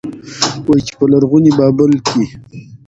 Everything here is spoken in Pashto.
وايي، چې په لرغوني بابل کې